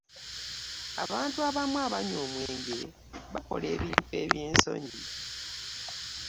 abantu abamu abanywa omwenge bakola ebintu eby'ensonyi.